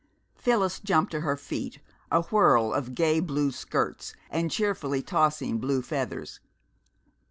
Phyllis jumped to her feet, a whirl of gay blue skirts and cheerfully tossing blue feathers.